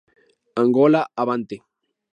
Angola Avante!